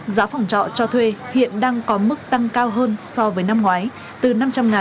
giá phòng trọ cho thuê hiện đang có mức tăng cao hơn so với năm ngoái